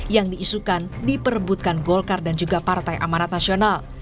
yang diisukan diperebutkan golkar dan juga partai amanat nasional